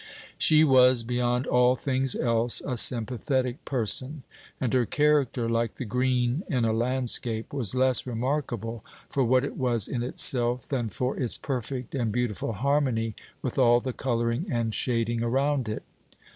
She was, beyond all things else, a sympathetic person, and her character, like the green in a landscape, was less remarkable for what it was in itself than for its perfect and beautiful harmony with all the coloring and shading around it.